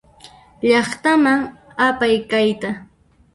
Llaqtaman apay kayta.